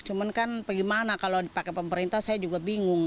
cuman kan bagaimana kalau dipakai pemerintah saya juga bingung